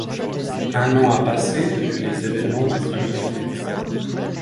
Un an a passé depuis les événements du premier film.